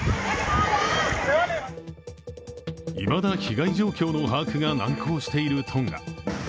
いまだ、被害状況の把握が難航しているトンガ。